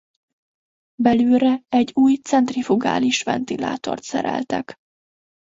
Belülre egy új centrifugális ventilátort szereltek.